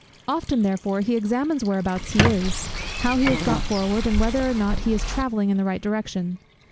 Often therefore he examines whereabouts he is, how he has got forward, and whether or not he is travelling in the right direction.